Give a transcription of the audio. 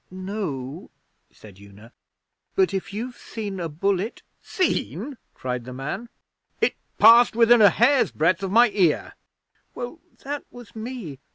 'No o,' said Una. 'But if you've seen a bullet ' 'Seen?' cried the man. 'It passed within a hair's breadth of my ear.' 'Well, that was me.